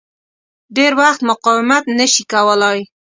ډېر وخت مقاومت نه شي کولای.